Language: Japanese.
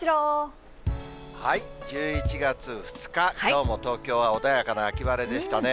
１１月２日、きょうの東京は穏やかな秋晴れでしたね。